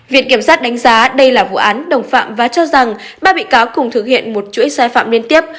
viện kiểm sát đánh giá đây là vụ án đồng phạm và cho rằng ba bị cáo cùng thực hiện một chuỗi sai phạm liên tiếp